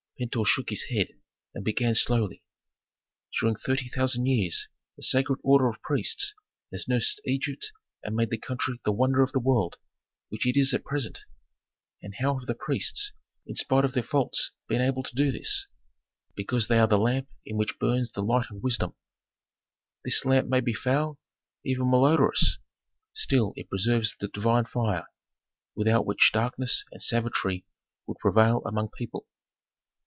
Pentuer shook his head and began slowly, "During thirty thousand years the sacred order of priests has nursed Egypt and made the country the wonder of the world, which it is at present. And how have the priests, in spite of their faults, been able to do this? Because they are the lamp in which burns the light of wisdom. "This lamp may be foul, even malodorous; still it preserves the divine fire, without which darkness and savagery would prevail among people.